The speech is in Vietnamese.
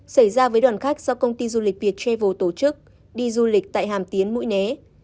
xảy ra với đoàn khách do công ty du lịch viettravel tổ chức đi du lịch tại hàm tiến mũi né